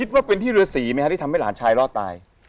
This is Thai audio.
ว่าเป็นที่ฤษีไหมครับที่ทำให้หลานชายรอดตาย